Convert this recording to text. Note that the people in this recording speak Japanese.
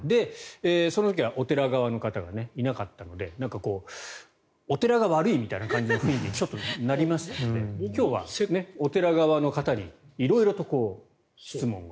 その時はお寺側の方がいなかったのでお寺が悪いみたいな感じの雰囲気にちょっとなりまして今日はお寺側の方に色々と質問を。